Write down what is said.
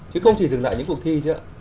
chứ không chỉ dừng lại những cuộc thi chưa ạ